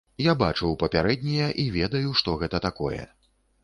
Я бачыў папярэднія і ведаю, што гэта такое.